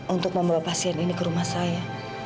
untuk membawa pasien ini ke rumah saya